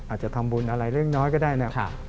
อาจจะทำบุญอะไรเล็กน้อยก็ได้นะครับ